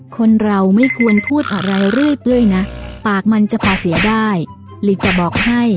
คนเราไม่ควรพูดอะไรเรื่อยนะปากมันจะพาเสียได้หรือจะบอกให้